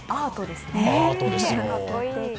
アートですね。